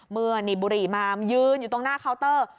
หนีบบุหรี่มายืนอยู่ตรงหน้าเคาน์เตอร์